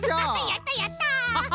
やったやった！